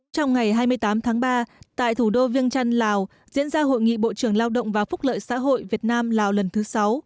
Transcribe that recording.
trong ngày hai mươi tám tháng ba tại thủ đô viêng trăn lào diễn ra hội nghị bộ trưởng lao động và phúc lợi xã hội việt nam lào lần thứ sáu